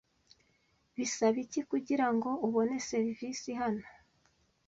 Bisaba iki kugirango ubone serivisi hano?